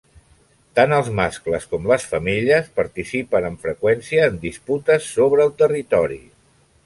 Tant els mascles com les femelles participen amb freqüència en disputes sobre el territori.